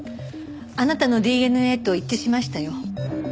あなたのＤＮＡと一致しましたよ。